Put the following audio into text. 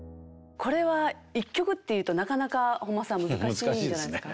これは１曲っていうとなかなか本間さん難しいんじゃないですか。